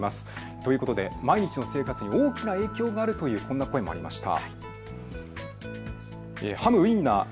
ということで毎日の生活に大きな影響があるという、こんな声もありました。